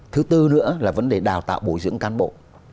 thứ tư nữa là vấn đề đào tạo bồi dưỡng cán bộ